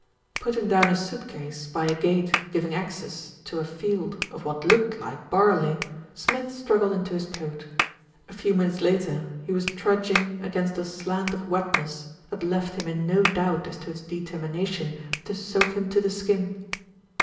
Putting down his suit case by a gate giving access to a field of what looked like barley, Smith struggled into his coat. A few minutes later, he was trudging against a slant of wetness that left him in no doubt as to its determination to soak him to the skin.